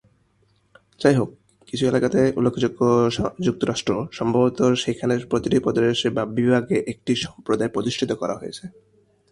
যাই হোক, কিছু এলাকাতে, উল্লেখযোগ্য যুক্তরাষ্ট্র, সম্ভবত সেখানে প্রতিটি প্রদেশে বা বিভাগে একটি সম্প্রদায় প্রতিষ্ঠিত করা হয়েছে।